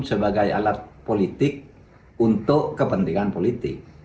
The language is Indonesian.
sebagai alat politik untuk kepentingan politik